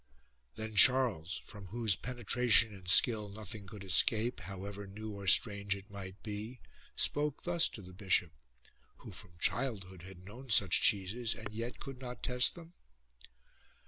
Then Charles from whose penetra tion and skill nothing could escape, however new or strange it might be, spoke thus to the bishop, who from childhood had known such cheeses and yet could not test them.